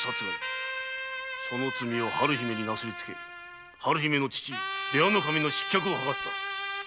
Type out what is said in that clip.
その罪を春姫になすりつけ春姫の父・出羽守の失脚を図った。